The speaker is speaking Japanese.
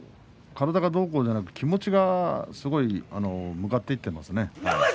体がどうこうじゃなくて気持ちがすごい向かっていっていますね。